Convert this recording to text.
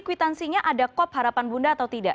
kwitansinya ada kop harapan bunda atau tidak